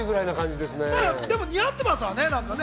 でも似合ってますよね。